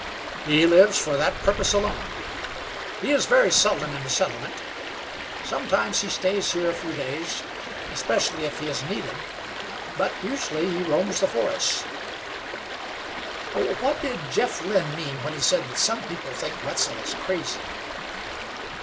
"He lives for that purpose alone. He is very seldom in the settlement. Sometimes he stays here a few days, especially if he is needed; but usually he roams the forests." "What did Jeff Lynn mean when he said that some people think Wetzel is crazy?"